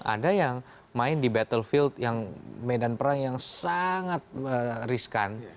ada yang main di battlefield yang medan perang yang sangat riskan